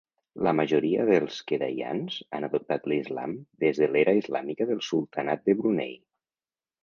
La majoria dels kedayans han adoptat l'Islam des de l'era islàmica del Sultanat de Brunei.